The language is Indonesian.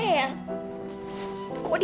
enggak enak kasurnya